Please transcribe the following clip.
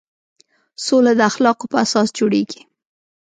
سوله د اخلاقو په اساس جوړېږي.